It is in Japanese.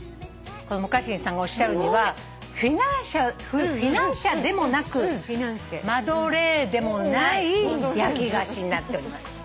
むか新さんがおっしゃるにはフィナンシェでもなくマドレーヌでもない焼き菓子になっております。